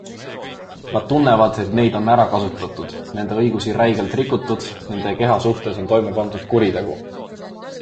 Nad tunnevad, et neid on ära kasutatud, nende õigusi räigelt rikutud, nende keha suhtes on toime pandud kuritegu.